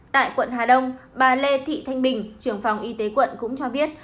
tại quận hà đông bà lê thị thanh bình trưởng phòng y tế quận cũng cho biết